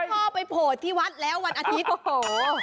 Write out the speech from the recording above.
พ่อไปโผล่ที่วัดแล้ววันอาทิตย์โอ้โห